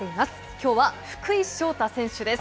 きょうは福井翔大選手です。